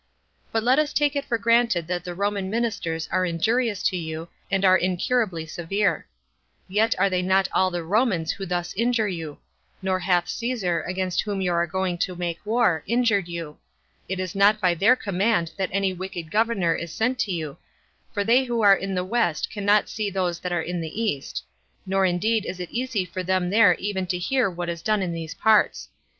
But let us take it for granted that the Roman ministers are injurious to you, and are incurably severe; yet are they not all the Romans who thus injure you; nor hath Caesar, against whom you are going to make war, injured you: it is not by their command that any wicked governor is sent to you; for they who are in the west cannot see those that are in the east; nor indeed is it easy for them there even to hear what is done in these parts.